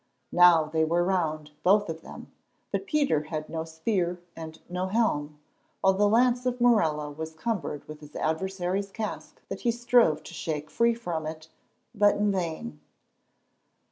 Now they were round, both of them, but Peter had no spear and no helm, while the lance of Morella was cumbered with his adversary's casque that he strove to shake free from it, but in vain.